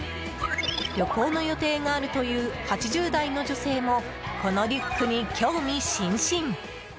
旅行の予定があるという８０代の女性もこのリュックに興味津々。